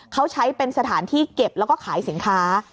เขาใช้เป็นสถานที่เก็บแล้วก็ขายสินค้า